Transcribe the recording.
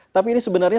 tapi ini sebenarnya